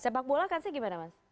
sepak bola kan sih gimana mas